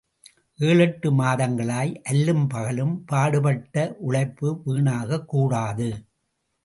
ஏழெட்டு மாதங்களாய், அல்லும் பகலும் பாடுபட்ட உழைப்பு வீணாகக் கூடாது.